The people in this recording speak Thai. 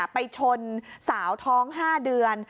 ไปชนสาวท้อง๕เดือน